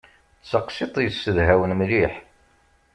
D taqsiṭ yessedhawen mliḥ.